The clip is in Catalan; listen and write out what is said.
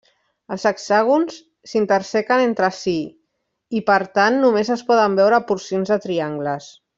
Els hexàgons s'intersequen entre si i, per tant, només es poden veure porcions de triangles.